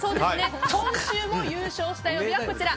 今週も優勝した曜日はこちら。